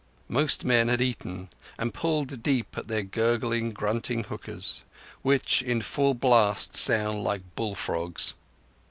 Most men had eaten and pulled deep at their gurgling, grunting hookahs, which in full blast sound like bull frogs.